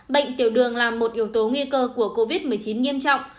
bệnh tiểu đường là một yếu tố nguy cơ của covid một mươi chín nghiêm trọng